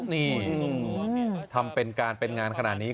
นี่ทำเป็นการเป็นงานขนาดนี้